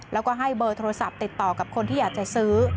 แล้วก็ให้เบอร์โทรศัพท์ติดต่อกับคนที่อยากจะซื้อ